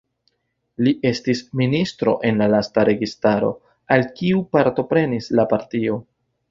Li estis ministro en la lasta registaro al kiu partoprenis la partio.